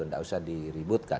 tidak usah diributkan